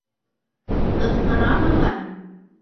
Ҡысҡырам, ағай!